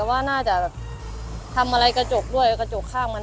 สวัสดีครับที่ได้รับความรักของคุณ